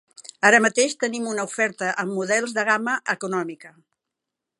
Ara mateix tenim una oferta amb models de gamma econòmica.